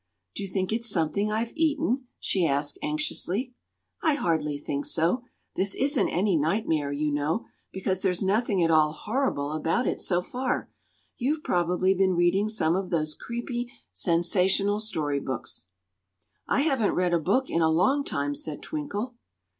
"Do you think it's something I've eaten?" she asked anxiously. "I hardly think so. This isn't any nightmare, you know, because there's nothing at all horrible about it so far. You've probably been reading some of those creepy, sensational story books." "I haven't read a book in a long time," said Twinkle.